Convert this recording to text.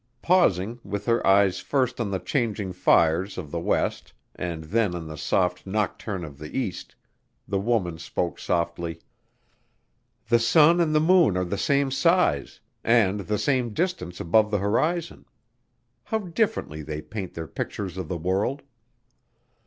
Pausing, with her eyes first on the changing fires of the west and then on the soft nocturne of the east, the woman spoke softly: "The sun and the moon are the same size, and the same distance above the horizon. How differently they paint their pictures of the world."